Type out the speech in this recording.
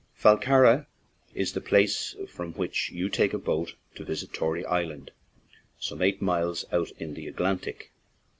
Fallcarragh is the place from which you take a boat to visit Tory Island, some eight miles out in the Atlantic.